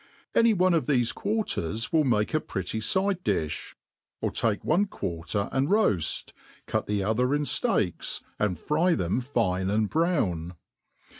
Any one of thcfe quarters' will make a pretty fide diib : or take one quarter and roaft, cut the other in fieaks, and fry tfiem fine and brown..